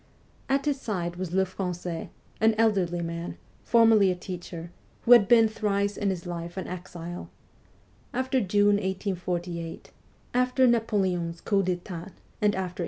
At his side was Lefra^ais, an elderly man, formerly a teacher, who had been thrice in his life an exile : after June 1848, after Napoleon's coup d'etat, and after 1871.